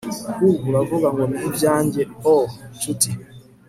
Huh Uravuga ngo ni ibyanjye Oh nshuti